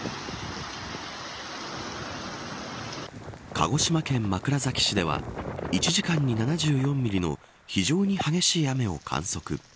鹿児島県枕崎市では１時間に７４ミリの非常に激しい雨を観測。